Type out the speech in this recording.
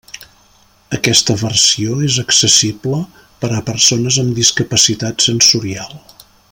Aquesta versió és accessible per a persones amb discapacitat sensorial.